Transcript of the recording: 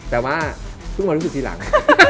แต่ว่าเพิ่งมารู้สึกทีหลัง